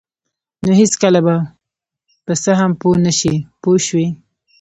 نو هېڅکله به په څه هم پوه نشئ پوه شوې!.